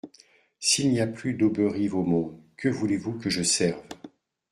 S'il n'y a plus d'Auberive au monde, qui voulez-vous que je serve ?